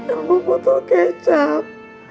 el mau potong kecap